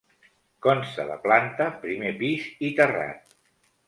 Consta de planta, primer pis i terrat.